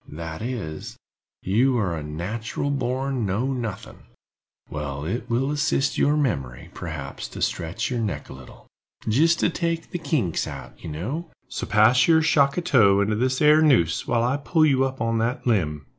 "That is, you are a nat'ral born know nothing. Well, it will assist your memory, perhaps, to stretch your neck a little, jist to take the kinks out, you know; so pass your shock of tow into this 'ere noose, while I pull you up on that limb."